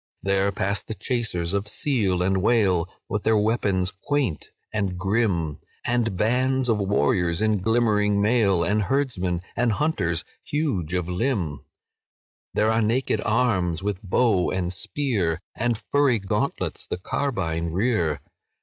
"There pass the chasers of seal and whale, With their weapons quaint and grim, And bands of warriors in glimmering mail, And herdsmen and hunters huge of limb— There are naked arms, with bow and spear, And furry gauntlets the carbine rear.